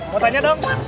mau tanya dong